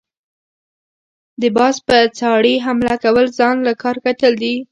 د باز په څاړي حمله كول ځان له کار کتل دي۔